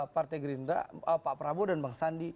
partai gerindra pak prabowo dan bang sandi